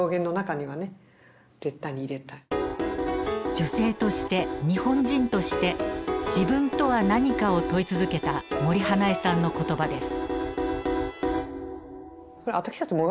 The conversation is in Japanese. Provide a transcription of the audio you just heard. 女性として日本人として自分とは何かを問い続けた森英恵さんの言葉です。